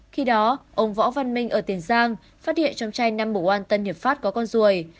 khi đó ông võ văn minh ở tiền giang phát hiện trong chai nam bồ an tân hiệp pháp có con ruồi